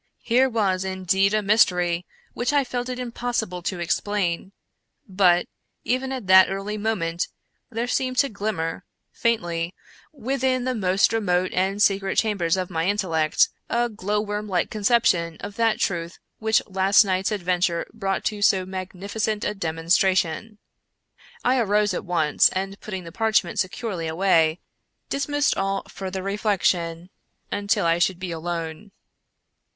Here was indeed a mystery which I felt it impossible to explain ; but, even at that early moment, there seemed to glimmer. 148 Ed^ar Allan Poe *i> faintly, within the most remote and secret chambers of m> intellect, a glow vvormlike conception of that truth which last night's adventure brought to so magnificent a demon stration. I arose at once, and putting the parchment se curely away, dismissed all further reflection until I should be alone.